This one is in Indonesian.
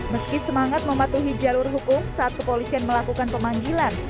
meski semangat mematuhi jalur hukum saat kepolisian melakukan pemanggilan